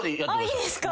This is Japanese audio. いいですか？